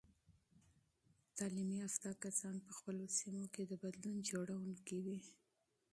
تعلیم یافته کسان په خپلو سیمو کې د بدلون جوړونکي وي.